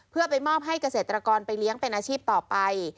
เพื่อไปมอบให้เกษตรกรไปเลี้ยงเป็นอาชีพต่อไป